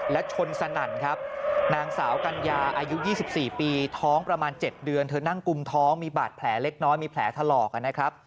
และชนสนั่นครับนางสาวกัญญาอายุ๒๔ปีท้องประมาณ๗เดือนเธอนั่งกุมท้องมีบาดแผลเล็กน้อยมีแผลถลอกนะครับ